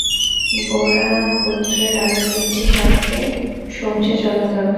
বোড়া গোত্রের আরও তিনটি সাপকে সমঝে চলা দরকার।